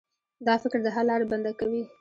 دا فکر د حل لاره بنده کوي.